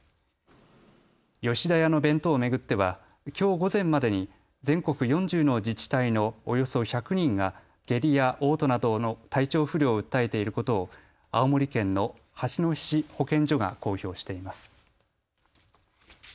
吉田屋の弁当を巡ってはきょう午前までに全国４０の自治体のおよそ１００人が下痢やおう吐などの体調不良を訴えていることを青森県の八戸市保健所が公表しています。